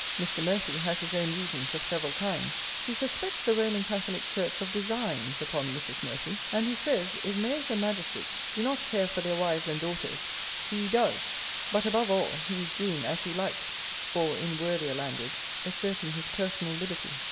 Mr. Murphy has his own reasons of several kinds. He suspects the Roman Catholic Church of designs upon Mrs. Murphy; and he says, if mayors and magistrates do not care for their wives and daughters, he does. But, above all, he is doing as he likes, or, in worthier language, asserting his personal liberty.